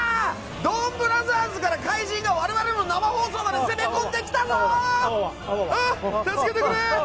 「ドンブラザーズ」から怪人が我々の生放送まで攻め込んできたぞ！